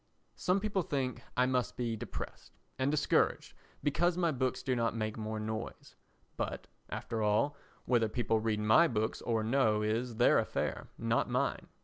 Some people think I must be depressed and discouraged because my books do not make more noise; but, after all, whether people read my books or no is their affair, not mine.